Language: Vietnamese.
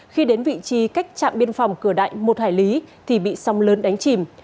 khi đến vị trí cách trạm biên phòng cửa đại một hải lý thì bị sóng lớn đánh chìm